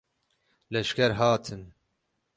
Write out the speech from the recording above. Leşger hatin.